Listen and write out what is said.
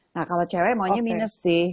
nah kalau cewek maunya minus sih